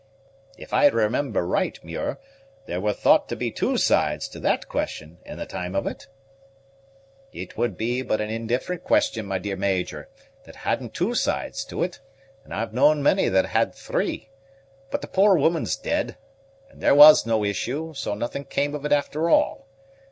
"If I remember right, Muir, there were thought to be two sides to that question, in the time of it?" "It would be but an indifferent question, my dear Major, that hadn't two sides to it; and I've known many that had three. But the poor woman's dead, and there was no issue; so nothing came of it after all.